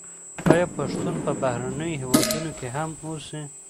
آیا پښتون په بهرنیو هېوادونو کي هم اوسي؟